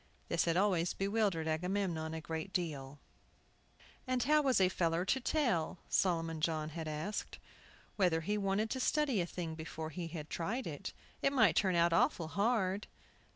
This had always bewildered Agamemnon a good deal. "And how was a feller to tell," Solomon John had asked, "whether he wanted to study a thing before he tried it? It might turn out awful hard!"